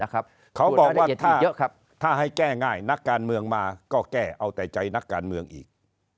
เขาบอกว่าถ้าให้แก้ง่ายนักการเมืองมาก็แก้เอาแต่ใจนักการเมืองอีก